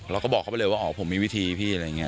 เราก็บอกเขาไปเลยว่าอ๋อผมมีวิธีพี่อะไรอย่างนี้